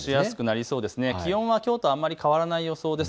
気温はきょうとあまり変わらない予想です。